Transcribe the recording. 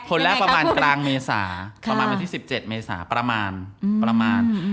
คนแรกประมาณกลางเมษาประมาณที่๑๗เมษาประมาณ